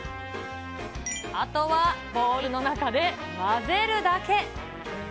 あとはボウルの中で混ぜるだけ。